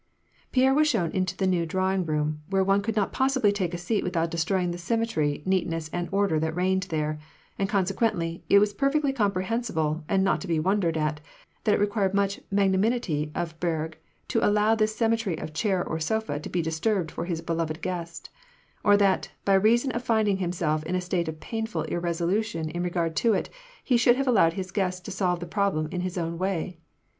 Pierre was shown into the new drawing room, where one could not possibly take a seat without destroying the sym metry, neatness, and order that reigned there; and, conse quently, it was perfectly comprehensible and not to be wondered at, that it required much magnanimity of Berg to allow this symmetry of chair or sofa to be disturbed for his beloved guest ; or that, by reason of finding himself in a state of painful irresolution in regard to it, he should have allowed his guest to solve the problem in his own way.